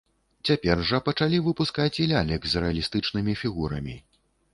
Цяпер жа пачалі выпускаць і лялек з рэалістычнымі фігурамі.